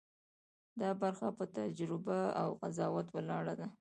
دا برخه په تجربه او قضاوت ولاړه ده.